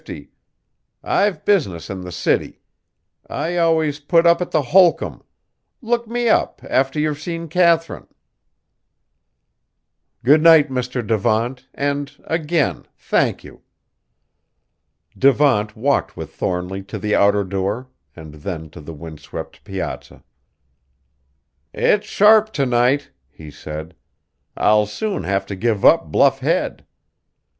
I've business in the city. I always put up at the Holcomb; look me up after you've seen Katharine." "Good night, Mr. Devant, and again thank you!" Devant walked with Thornly to the outer door, and then to the windswept piazza. "It's sharp to night," he said; "I'll soon have to give up Bluff Head.